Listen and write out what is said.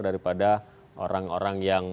daripada orang orang yang